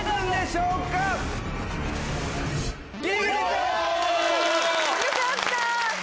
よかった！